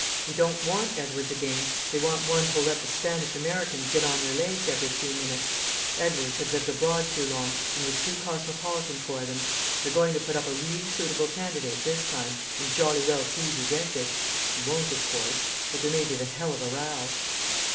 They don't want Edwardes again; they want one who'll let the Spanish Americans get on their legs every few minutes. Edwardes had lived abroad too long and was too cosmopolitan for them. They're going to put up a really suitable candidate this time, and jolly well see he gets it. He won't, of course. But there may be the hell of a row."